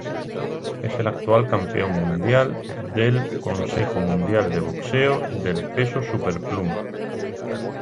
Es el actual campeón mundial del Consejo Mundial de Boxeo del peso superpluma.